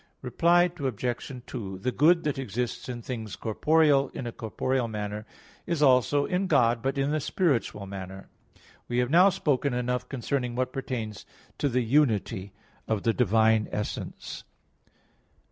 Reply Obj. 2: The good that exists in things corporeal in a corporeal manner, is also in God, but in a spiritual manner. We have now spoken enough concerning what pertains to the unity of the divine essence.